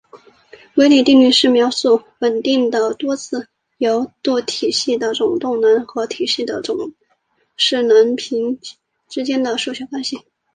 维里定理是描述稳定的多自由度体系的总动能和体系的总势能时间平均之间的数学关系。